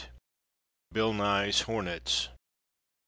BILL NYE'S HORNETS.